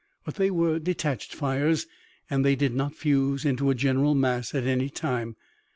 But they were detached fires, and they did not fuse into a general mass at any time.